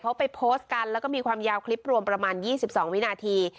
เขาไปโพสต์กันแล้วก็มีความยาวคลิปรวมประมาณ๒๒วินาที